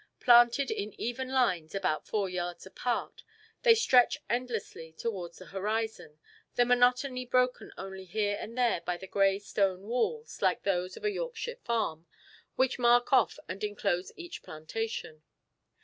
Planted in even lines about four yards apart, they stretch endlessly towards the horizon, the monotony broken only here and there by the grey stone walls, like those of a Yorkshire farm, which mark off and enclose each plantation.